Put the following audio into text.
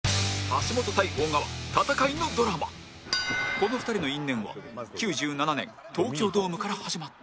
この２人の因縁は９７年東京ドームから始まった